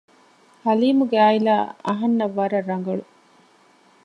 ޙަލީމުގެ ޢާއިލާ އަހަންނަށް ވަރަށް ރަނގަޅު